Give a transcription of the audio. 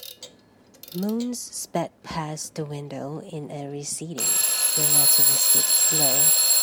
Moons sped past the window in a receding, relativistic blur.